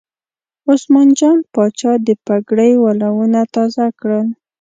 عثمان جان پاچا د پګړۍ ولونه تازه کړل.